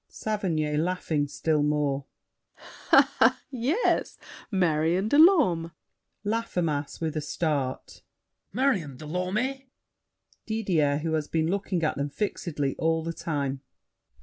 SAVERNY (laughing still more). Yes. Marion de Lorme! LAFFEMAS (with a start). Marion de Lorme! DIDIER (who has been looking at them fixedly all the time).